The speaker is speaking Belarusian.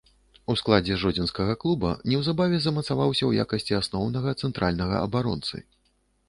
У складзе жодзінскага клуба неўзабаве замацаваўся ў якасці асноўнага цэнтральнага абаронцы.